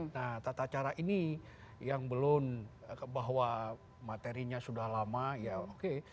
nah tata cara ini yang belum bahwa materinya sudah lama ya oke